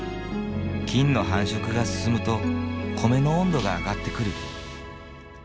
菌の繁殖が進むと米の温度が上がってくる。